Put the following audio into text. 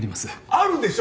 あるでしょ？